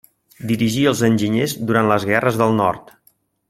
Dirigí els enginyers durant les Guerres del Nord.